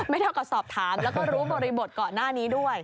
เท่ากับสอบถามแล้วก็รู้บริบทก่อนหน้านี้ด้วย